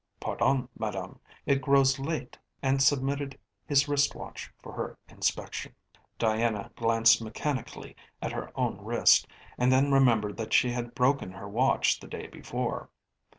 "Pardon, Madame. It grows late," and submitted his wrist watch for her inspection. Diana glanced mechanically at her own wrist and then remembered that she had broken her watch the day before.